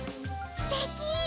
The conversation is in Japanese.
すてき！